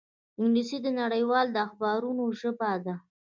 انګلیسي د نړۍ د اخبارونو ژبه ده